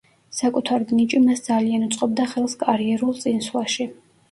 საკუთარი ნიჭი მას ძალიან უწყობდა ხელს კარიერულ წინსვლაში.